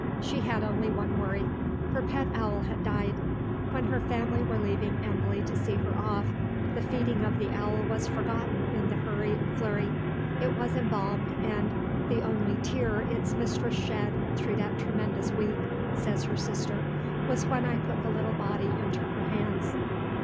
She had only one worry. Her pet owl had died. When her family were leaving Embley to see her off, the feeding of the owl was forgotten in the hurry and flurry. It was embalmed, and "the only tear its mistress shed through that tremendous week," says her sister, "was when I put the little body into her hands.